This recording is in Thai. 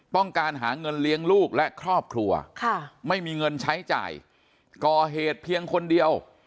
ต้องการหาเงินเลี้ยงลูกและครอบครัวไม่มีเงินใช้จ่ายก่อเหตุเพียงคนเดียว